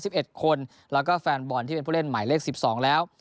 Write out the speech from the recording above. สิบเอ็ดคนแล้วก็แฟนบอลที่เป็นผู้เล่นหมายเลขสิบสองแล้ว